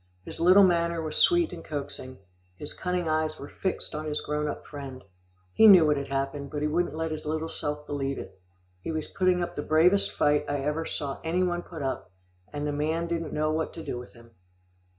His little manner was sweet and coaxing, his cunning eyes were fixed on his grown up friend. He knew what had happened, but he wouldn't let his little self believe it. He was putting up the bravest fight I ever saw any one put up, and the man didn't know what to do with him.